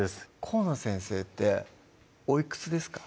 河野先生っておいくつですか？